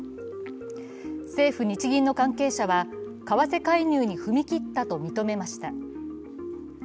政府・日銀の関係者は、為替介入に踏み切ったと認めました。